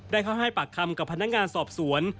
เข้าให้ปากคำกับพนักงานสอบสวน